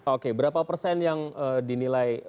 oke berapa persen yang dinilai